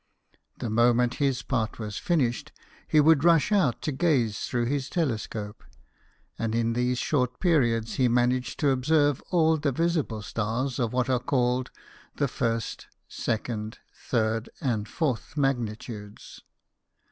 The moment his part was finished, he would rush out to gaze through 102 BIOGRAPHIES OF WORKING MEN. his telescope ; and in these short periods he managed to observe all the visible stars of what are called the first, second, third, and fourth magnitudes.